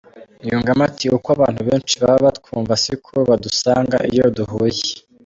Yungamo ati “Uko abantu benshi baba batwumva siko badusanga iyo duhuye .